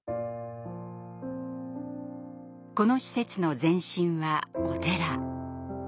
この施設の前身はお寺。